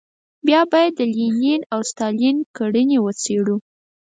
بیا باید د لینین او ستالین کړنې وڅېړو.